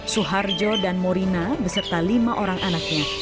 suharjo dan morina beserta lima orang anaknya